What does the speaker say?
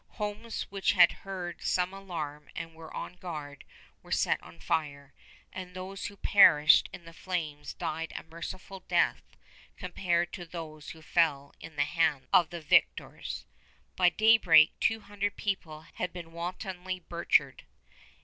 Homes which had heard some alarm and were on guard were set on fire, and those who perished in the flames died a merciful death compared to those who fell in the hands of the victors. By daybreak two hundred people had been wantonly butchered.